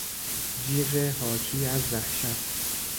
جیغ حاکی از وحشت